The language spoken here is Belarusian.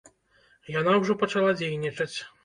Яна ўжо пачала дзейнічаць.